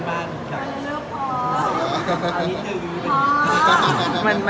ก็อันนี้ขันให้เป็นเรื่องของพี่ใหยแล้วค่ะ